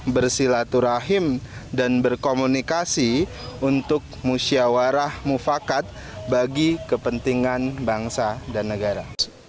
bersilaturahim dan berkomunikasi untuk musyawarah mufakat bagi kepentingan bangsa dan negara